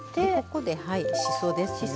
ここではいしそですね。